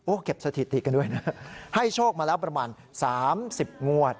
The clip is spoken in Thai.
เก็บสถิติกันด้วยนะให้โชคมาแล้วประมาณ๓๐งวด